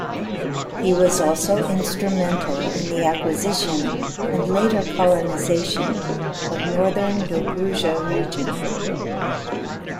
He was also instrumental in the acquisition, and later colonization, of Northern Dobruja region.